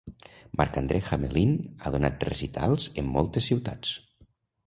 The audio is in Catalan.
Marc-André Hamelin ha donat recitals en moltes ciutats.